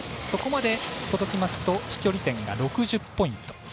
そこまで届きますと飛距離点が６０ポイント